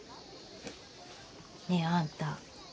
ねえあんた